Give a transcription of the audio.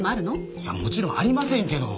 いやもちろんありませんけど。